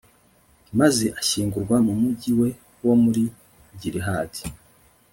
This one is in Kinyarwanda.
maze ashyingurwa mu mugi we wo muri gilihadi